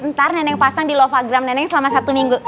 ntar neneng pasang di lovagram neneng selama satu minggu